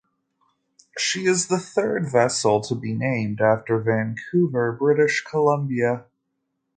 She is the third vessel to be named after Vancouver, British Columbia.